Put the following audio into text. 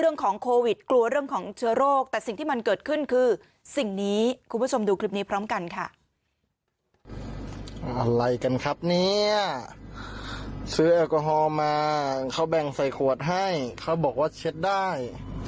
เนี้ยซื้อแอลกอฮอล์มาเขาแบ่งใส่ขวดให้เขาบอกว่าเช็ดได้